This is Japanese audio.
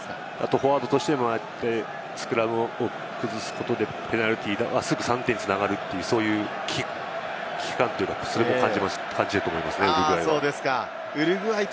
フォワードとしてもスクラムを崩すことでペナルティーで３点に繋がるという危機感を感じますね、ウルグアイは。